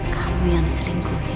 kamu yang selingkuhin